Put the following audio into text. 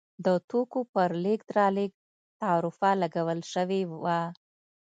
د توکو پر لېږد رالېږد تعرفه لګول شوې وه.